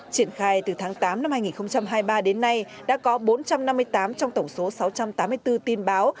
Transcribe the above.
triển khai từ tháng tám năm hai nghìn hai mươi ba đến nay đã có bốn trăm năm mươi tám trong tổng số sáu trăm tám mươi bốn tin báo